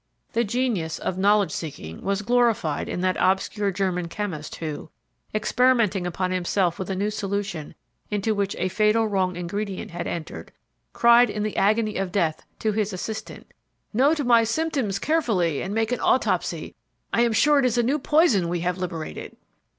The genius of knowledge seeking was glorified in that obscure German chemist who, experimenting upon himself with a new solution into which a fatal wrong ingredient had entered, cried in the agony of death to his assistant: "Note my symptoms carefully and make an autopsy I am sure it is a new poison we have liberated!"